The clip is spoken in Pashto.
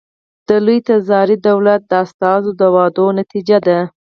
د لوی تزاري دولت د استازو د وعدو نتیجه ده.